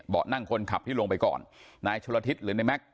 เบาะนั่งคนขับที่ลงไปก่อนนายชุลทิศฯหรือในแม็กซ์